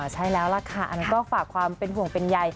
ใช่แล้วล่ะค่ะอันนี้ก็ฝากความเป็นห่วงเป็นใย